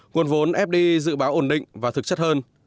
nguồn vốn fdi dự báo ổn định và thực chất hơn